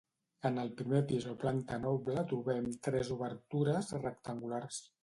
En el primer pis o planta noble trobem tres obertures rectangulars.